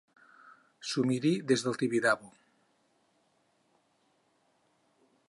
S'ho miri des del Tibidabo.